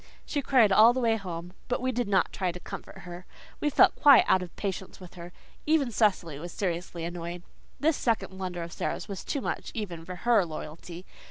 She cried all the way home, but we did not try to comfort her. We felt quite out of patience with her. Even Cecily was seriously annoyed. This second blunder of Sara's was too much even for her loyalty.